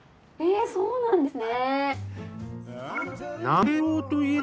へそうなんですね。